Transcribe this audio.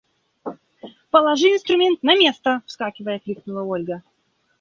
Положи инструмент на место! – вскакивая, крикнула Ольга.